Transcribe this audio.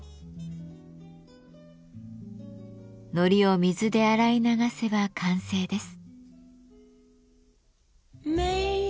糊を水で洗い流せば完成です。